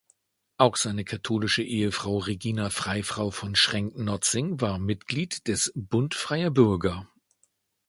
Auch seine katholische Ehefrau Regina Freifrau von Schrenck-Notzing war Mitglied des "Bund freier Bürger".